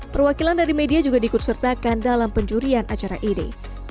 perwakilan dari media juga dikursertakan dalam penjurian acara ini